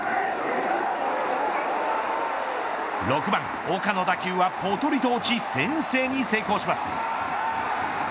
６番岡の打球はぽとりと落ち先制に成功します。